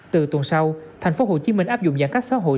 từ tuần sau thành phố hồ chí minh áp dụng giãn cách xã hội